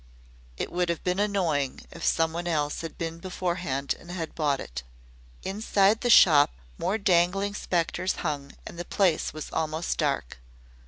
It would have been annoying if someone else had been beforehand and had bought it. Inside the shop more dangling spectres hung and the place was almost dark.